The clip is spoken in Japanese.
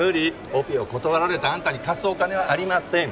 オペを断られたあんたに貸すお金はありません。